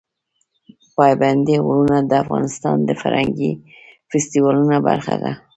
پابندي غرونه د افغانستان د فرهنګي فستیوالونو برخه ده.